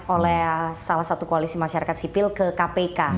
oleh salah satu koalisi masyarakat sipil ke kpk